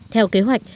theo kế hoạch